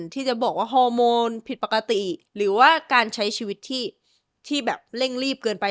ที่จะบอกว่าฮอร์โมนผิดปกติหรือว่าการใช้ชีวิตที่แบบเร่งรีบเกินไป